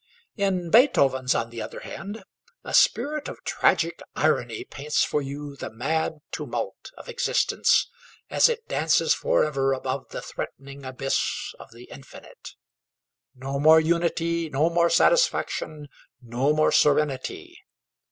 In Beethoven's, on the other hand, a spirit of tragic irony paints for you the mad tumult of existence, as it dances forever above the threatening abyss of the infinite. No more unity, no more satisfaction, no more serenity!